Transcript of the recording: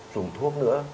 dùng thuốc nữa